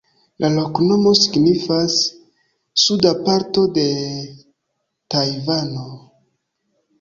La loknomo signifas: "suda parto de Tajvano".